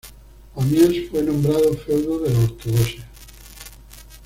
Pamiers fue nombrada feudo de la ortodoxia.